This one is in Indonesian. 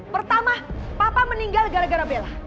pertama papa meninggal gara gara bela